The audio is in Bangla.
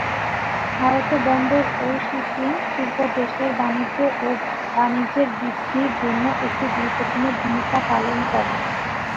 ভারতে বন্দর ও শিপিং শিল্প দেশের বাণিজ্য ও বাণিজ্যের বৃদ্ধির জন্য একটি গুরুত্বপূর্ণ ভূমিকা পালন করে।